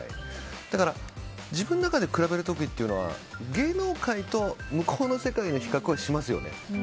だから、自分の中で比べる時は芸能界と向こうの世界の比較はしますよね。